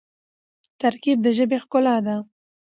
ترکیب د ژبي ښکلا ده.